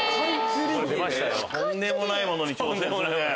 とんでもないものに挑戦するね。